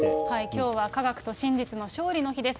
きょうは科学と真実の勝利の日です。